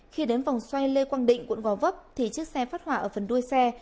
khi đến vòng xoay lê quang định quận gò vấp thì chiếc xe phát hỏa ở phần đuôi xe